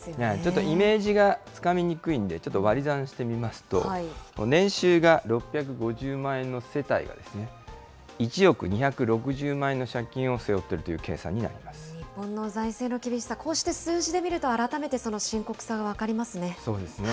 ちょっとイメージがつかみにくいんで、ちょっと割り算してみますと、年収が６５０万円の世帯が、１億２６０万円の借金を背負日本の財政の厳しさ、こうして数字で見ると改めて、その深刻さが分かりますね。